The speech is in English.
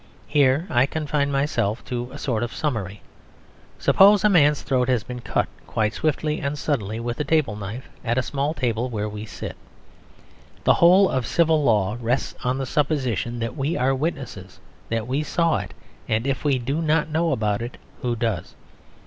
Here I confine myself to a sort of summary. Suppose a man's throat has been cut, quite swiftly and suddenly, with a table knife, at a small table where we sit. The whole of civil law rests on the supposition that we are witnesses; that we saw it; and if we do not know about it, who does?